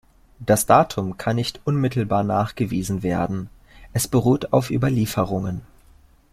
Das Datum kann nicht unmittelbar nachgewiesen werden, es beruht auf Überlieferungen.